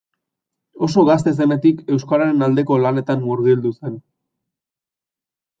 Oso gazte zenetik euskararen aldeko lanetan murgildu zen.